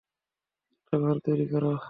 একটা ঘের তৈরি করো!